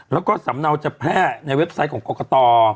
แล้วก็สำเนาจะแพร่ในเว็บไซต์ของกรกต